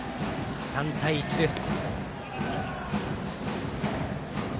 ３対１です。